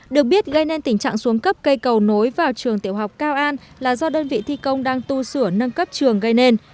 được biết gây nên tình trạng xuống cấp cây cầu nối vào trường tiểu học cao an là do đơn vị thi công đang tu sửa nâng cấp trường gây nên